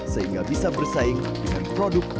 sehingga bisa bersaing dengan produk